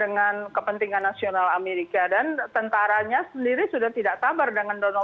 dengan kepentingan nasional amerika dan tentaranya sendiri sudah tidak sabar dengan donald